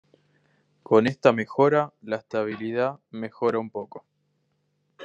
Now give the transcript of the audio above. Con esta mejora, la estabilidad mejora un poco.